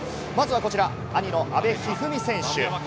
まずはこちら、阿部一二三選手。